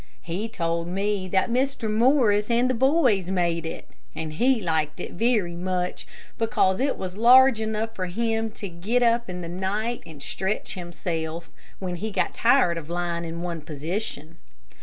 He told me that Mr. Morris and the boys made it, and he liked it very much, because it was large enough for him to get up in the night and stretch himself, when he got tired of lying in one position.